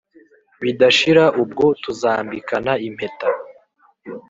bidashira ubwo tuzambikana impeta"